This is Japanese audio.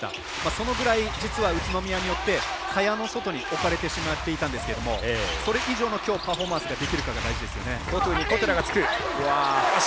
そのぐらい、実は宇都宮によって、蚊帳の外におかれてしまっていたんですがそれ以上の、きょうパフォーマンスができるかが大事です。